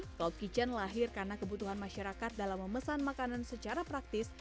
cloud kitchen lahir karena kebutuhan masyarakat dalam memesan makanan secara praktis